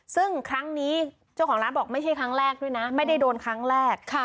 ซึ่งครั้งนี้เจ้าของร้านบอกไม่ใช่ครั้งแรกด้วยนะไม่ได้โดนครั้งแรก